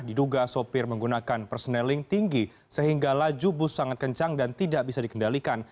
diduga sopir menggunakan perseneling tinggi sehingga laju bus sangat kencang dan tidak bisa dikendalikan